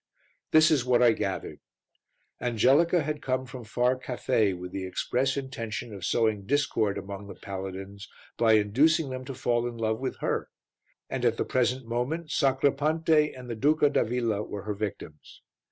This is what I gathered: Angelica had come from far Cathay with the express intention of sowing discord among the paladins by inducing them to fall in love with her, and at the present moment Sacripante and the Duca d'Avilla were her victims.